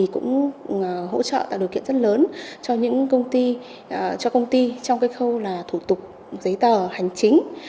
cũng hỗ trợ tạo điều kiện rất lớn cho công ty trong khâu thủ tục giấy tờ hành chính